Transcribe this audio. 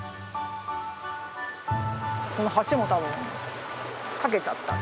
この橋も多分架けちゃった。